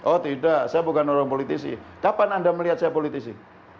oh tidak saya bukan orang politisi kapan anda melihat saya politisi